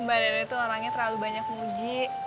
mbak dada itu orangnya terlalu banyak muji